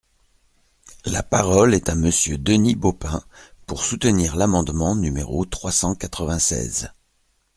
La parole est à Monsieur Denis Baupin, pour soutenir l’amendement numéro trois cent quatre-vingt-seize.